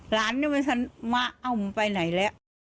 หลานิ่งมันอยากมาเอามึงไปไหนแหละ